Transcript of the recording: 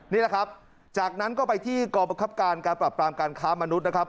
นี่แหละครับจากนั้นก็ไปที่กรประคับการการปรับปรามการค้ามนุษย์นะครับ